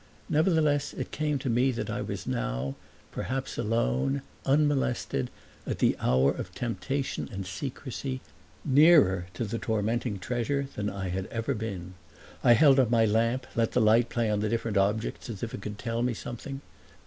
Nonetheless it came to me that I was now, perhaps alone, unmolested, at the hour of temptation and secrecy, nearer to the tormenting treasure than I had ever been. I held up my lamp, let the light play on the different objects as if it could tell me something.